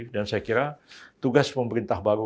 dan saya kira tugas pemerintah baru